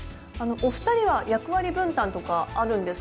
お二人は役割分担とかあるんですか？